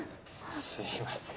すいません。